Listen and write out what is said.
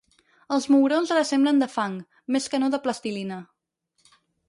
Els mugrons ara semblen de fang, més que no de plastilina.